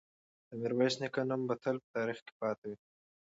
د میرویس نیکه نوم به تل په تاریخ کې پاتې وي.